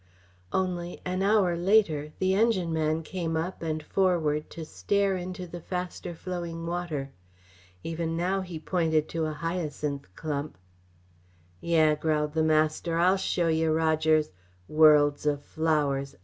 Only, an hour later, the engineman came up and forward to stare into the faster flowing water. Even now he pointed to a hyacinth clump. "Yeh!" the master growled. "I'll show yeh, Rogers! Worlds o' flowers!